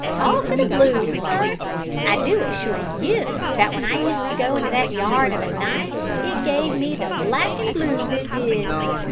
Talk o' the blues, sir; I do assure you that w'en I used to go into that yard of a night it gave me the black an' blues, it did.